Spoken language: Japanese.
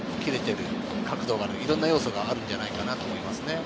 いろんな要素があるんじゃないかなと思います。